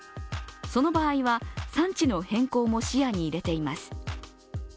その場合は産地の変更も視野に入れています。